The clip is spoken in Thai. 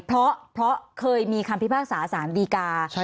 เพราะเพราะเคยมีคำพิพากษาสารดีการ์